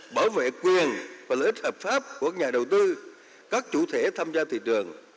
bảo vệ quyền và lợi ích hợp pháp của nhà đầu tư các chủ thể tham gia thị trường